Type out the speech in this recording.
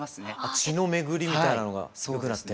血の巡りみたいなのがよくなって？